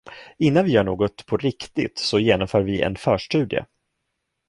Innan vi gör något på riktigt så genomför vi en förstudie.